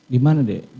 di mana dek